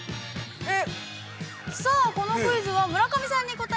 ◆えっ？